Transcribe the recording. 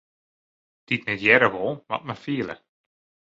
Dy't net hearre wol, moat mar fiele.